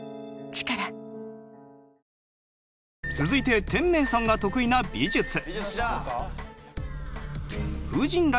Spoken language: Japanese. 続いて天明さんが得意な美術。